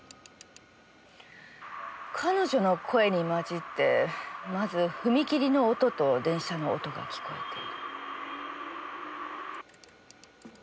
彼女の声に混じってまず踏切の音と電車の音が聞こえている。